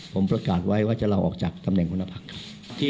ผมประกาศไว้ว่าจะลาออกจากตำแหน่งหัวหน้าพักครับ